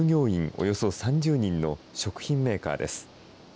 およそ３０人の食品メーカーです。